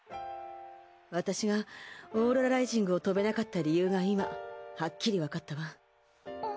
私がオーロラライジングを跳べなかった理由が今はっきりわかったわ。